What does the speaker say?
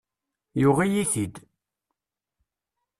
Yuɣ-iyi-t-id.